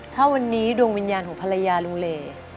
ถ้าวันนี้ดวงวิญญาณของภรรยาลุงเหล